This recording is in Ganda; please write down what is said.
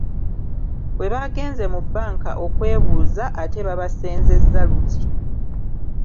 Bwe baagenze mu bbanka okwebuuza ate babasenzezza luti